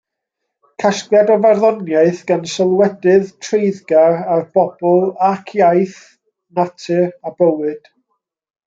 Casgliad o farddoniaeth gan sylwedydd treiddgar ar bobl ac iaith, natur a bywyd.